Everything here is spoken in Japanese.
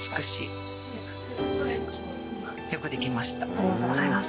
ありがとうございます。